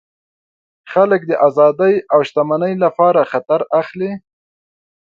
خلک د آزادۍ او شتمنۍ لپاره خطر اخلي.